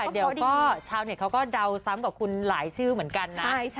เดี๋ยวก็ชาวเน็ตเขาก็เดาซ้ำกับคุณหลายชื่อเหมือนกันนะ